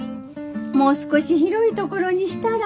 もう少し広いところにしたら？